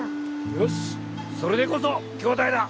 よしそれでこそ兄弟だ！